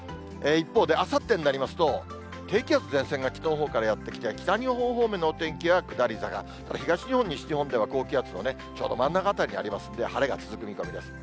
一方であさってになりますと、低気圧、前線が北のほうからやって来て、北日本方面のお天気は下り坂、東日本、西日本では高気圧のちょうど真ん中辺りにありますんで晴れが続く見込みです。